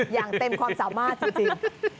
อย่างเต็มความสามารถจริง